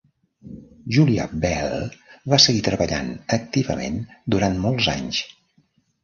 Julia Bell va seguir treballant activament durant molts anys.